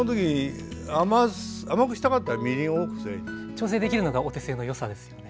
調整できるのがお手製のよさですよね。